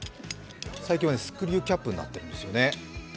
最近はスクリューキャップになっているんです。